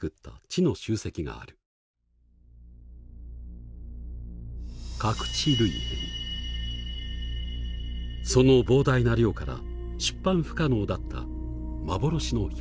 その膨大な量から出版不可能だった幻の百科事典だ。